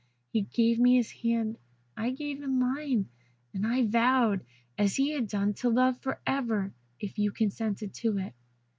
He gave me his hand; I gave him mine, and I vowed, as he had done, to love for ever, if you consented to it.